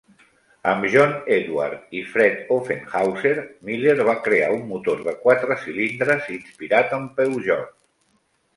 Amb John Edward i Fred Offenhauser, Miller va crear un motor de quatre cilindres inspirat en Peugeot.